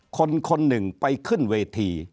คนหนึ่งไปขึ้นเวที